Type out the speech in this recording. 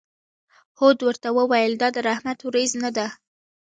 هود ورته وویل: دا د رحمت ورېځ نه ده.